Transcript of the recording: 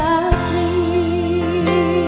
bahwa mungkin akan